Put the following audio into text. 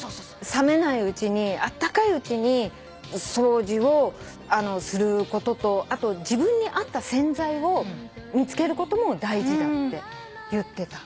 冷めないうちにあったかいうちに掃除をすることとあと自分に合った洗剤を見つけることも大事だって言ってた。